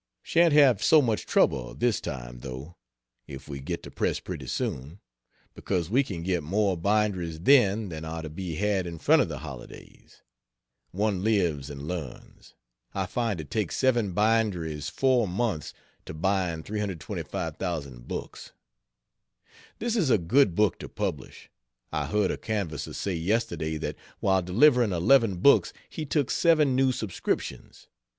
Shan't have so much trouble, this time, though, if we get to press pretty soon, because we can get more binderies then than are to be had in front of the holidays. One lives and learns. I find it takes 7 binderies four months to bind 325,000 books. This is a good book to publish. I heard a canvasser say, yesterday, that while delivering eleven books he took 7 new subscriptions.